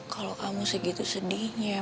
kalau kamu segitu sedihnya